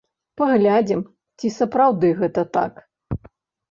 Паглядзім, ці сапраўды гэта так.